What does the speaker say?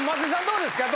どうですか？